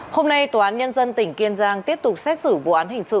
hôm nay tòa án nhân dân tỉnh kiên giang tiếp tục xét xử vụ án hình sự